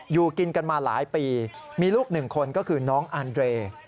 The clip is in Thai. อยู่กินกันมาหลายปีมีลูกหนึ่งคนก็คือน้องอันเรย์